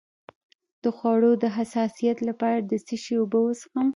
د خوړو د حساسیت لپاره د څه شي اوبه وڅښم؟